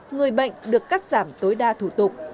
người bệnh được cắt giảm tối đa thủ tục